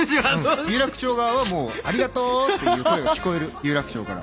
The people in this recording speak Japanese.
有楽町側はもう「ありがとう！」っていう声が聞こえる有楽町から。